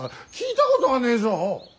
聞いたことがねえぞ。